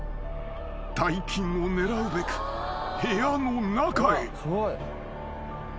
［大金を狙うべく部屋の中へ］